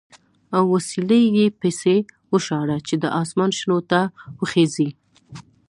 اوسیلی یې پسې وشاړه چې د اسمان شنو ته وخېژي.